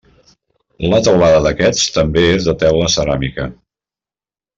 La teulada d'aquests també és de teula ceràmica.